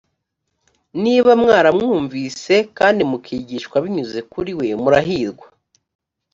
niba mwaramwumvise kandi mukigishwa binyuze kuri we murahirwa